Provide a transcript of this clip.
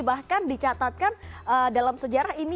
bahkan dicatatkan dalam sejarah ini